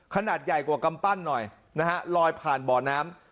ขนาดใหญ่กว่ากำปั้นหน่อยนะฮะลอยผ่านบ่อน้ำ